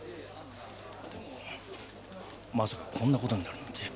でもまさかこんな事になるなんて。